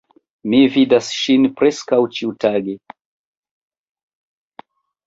Mi vidas ŝin preskaŭ ĉiutage.